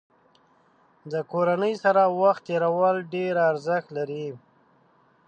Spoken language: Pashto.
د کورنۍ سره وخت تېرول ډېر ارزښت لري.